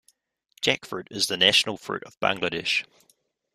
Jackfruit is the national fruit of Bangladesh.